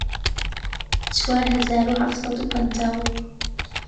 چوار هەزار و حەفت سەد و پەنجاو